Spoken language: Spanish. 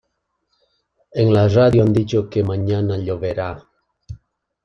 En la radio han dicho que mañana lloverá.